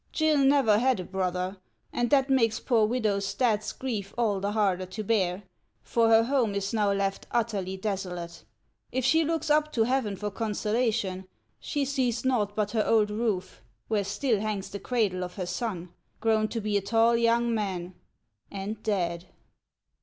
Gill never Imd a brother, and that makes poor Widow Stadt's grief all the harder to bear, for her home is now left utterly desolate; if she looks up to heaven for consolation, she sees nought but her old roof, where still hangs the cradle of her son, grown to be a tall young man, and dead."